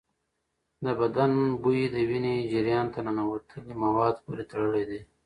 د بدن بوی د وینې جریان ته ننوتلي مواد پورې تړلی دی.